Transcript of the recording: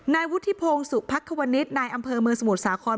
นายวุฒิพงศ์สุพักควนิษฐ์นายอำเภอเมืองสมุทรสาคร